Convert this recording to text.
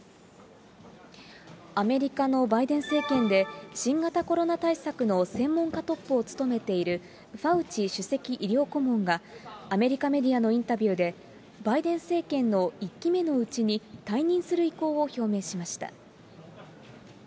アメリカのバイデン政権で、新型コロナ対策の専門家トップを務めているファウチ首席医療顧問がアメリカメディアのインタビューで、バイデン政権の１期目のうちに退任する意向を表明しました。